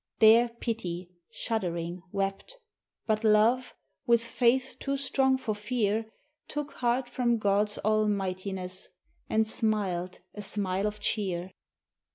There Pity, shuddering, wept; but Love, with faith too strong for fear, Took heart from God's almightiness and smiled a smile of cheer.